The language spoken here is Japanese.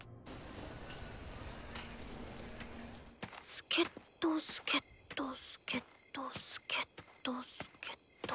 助っ人助っ人助っ人助っ人助っ人。